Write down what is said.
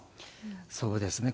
そうですね。